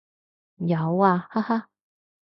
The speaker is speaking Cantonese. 有啊，哈哈